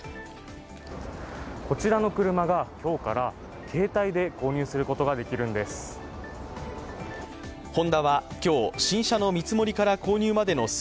こちらの車が今日から携帯で購入することができるんです。